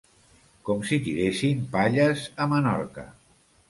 Com si tiressin palles a Menorca!